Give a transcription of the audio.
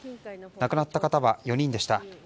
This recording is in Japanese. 亡くなった方は４人でした。